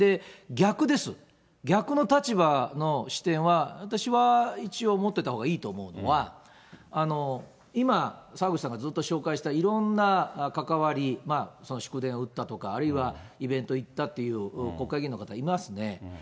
逆です、逆の立場の視点は、私は一応持ってたほうがいいと思うのは、今、澤口さんがずっと紹介したいろんな関わり、祝電を打ったとか、あるいはイベント行ったっていう国会議員の方いますね。